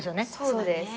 そうです。